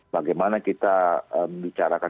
bagaimana kita membicarakan